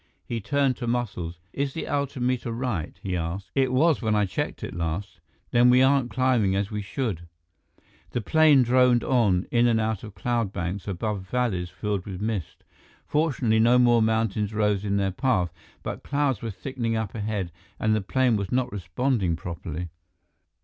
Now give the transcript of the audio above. He turned to Muscles. "Is the altimeter right?" he asked. "It was when I checked it last." "Then we aren't climbing as we should." The plane droned on, in and out of cloud banks, above valleys filled with mist. Fortunately, no more mountains rose into their path, but clouds were thickening up ahead and the plane was not responding properly.